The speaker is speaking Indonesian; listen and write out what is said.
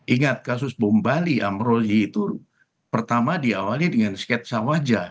ingat kasus bombali amroli itu pertama diawali dengan sketsa wajah